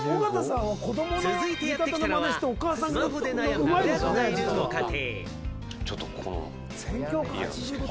続いてやってきたのはスマホで悩む親子がいるご家庭。